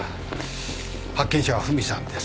発見者はフミさんです。